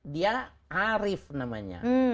dia arif namanya